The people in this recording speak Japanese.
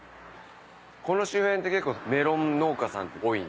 この周辺って結構メロン農家さんって多い？